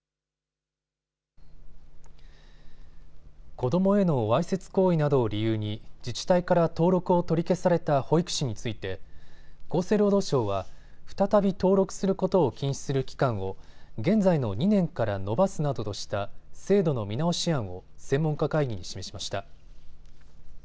子どもへのわいせつ行為などを理由に自治体から登録を取り消された保育士について厚生労働省は再び登録することを禁止する期間を現在の２年から延ばすなどとした制度の見直し案を専門家会議に示しました。